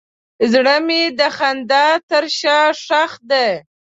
زړه مې د خندا تر شا ښخ دی.